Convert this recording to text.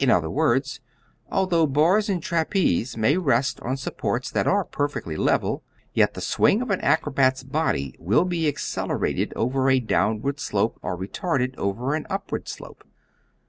In other words, although bars and trapeze may rest on supports that are perfectly level, yet the swing of an acrobat's body will be accelerated over a downward slope or retarded over an upward slope.